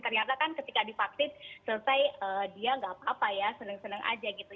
ternyata kan ketika divaksin selesai dia nggak apa apa ya seneng seneng aja gitu